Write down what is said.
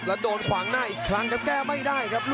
แล้วโดนขวางหน้าอีกครั้งครับแก้ไม่ได้ครับ